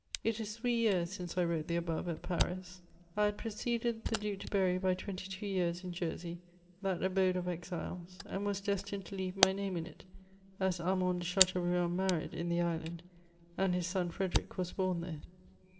" It is three years since I wrote the above, at Paris ; I had preceded the Duke de Berry by twenty two years in Jersey^ that abode of exiles ; and was destined to leave my name in it$ as Arm and de Chateaubriand married in the island, and his soa Frederick was bom there.